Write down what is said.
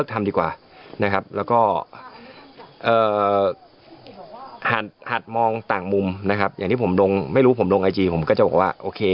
ผมว่าฝึ่งฝึ่งด่า